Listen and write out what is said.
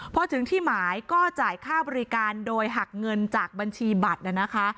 พอถึงที่หมายก็จ่ายค่าบริการโดยหักเงินจากบัญชีบัตรนะคะ